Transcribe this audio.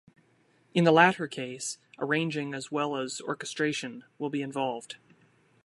In the latter case, arranging as well as orchestration will be involved.